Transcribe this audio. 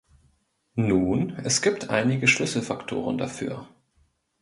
Nun, es gibt einige Schlüsselfaktoren dafür.